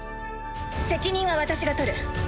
責任は私が取る。